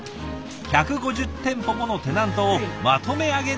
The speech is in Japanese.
１５０店舗ものテナントをまとめ上げる立場なんです。